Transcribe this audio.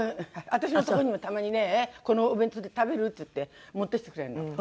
私のとこにもたまにね「このお弁当食べる？」って言って持ってきてくれるの。